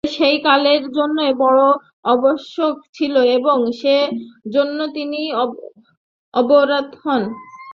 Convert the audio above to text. তবে সেই কালের জন্য বড় আবশ্যক ছিল এবং সেই জন্যই তিনি অবতার হন।